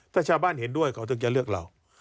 ถ้าชาวบ้านเห็นด้วยเขาถึงจะเลือกเรา